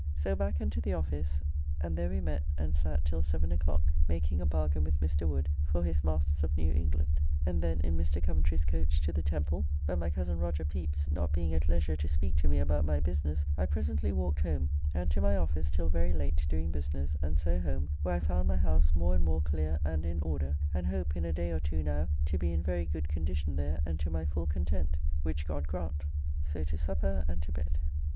So back and to the office, and there we met and sat till seven o'clock, making a bargain with Mr. Wood for his masts of New England; and then in Mr. Coventry's coach to the Temple, but my cozen Roger Pepys not being at leisure to speak to me about my business, I presently walked home, and to my office till very late doing business, and so home, where I found my house more and more clear and in order, and hope in a day or two now to be in very good condition there and to my full content. Which God grant! So to supper and to bed.